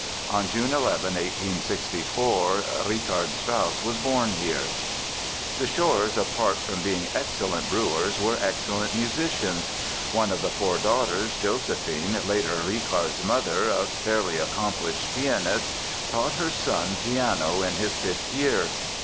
("On June 11, 1864, Richard Strauss was born here.") The Pschorrs apart from being excellent brewers were excellent musicians. One of the four daughters, Josephine, later Richard's mother, a fairly accomplished pianist, taught her son piano in his fifth year.